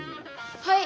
はい。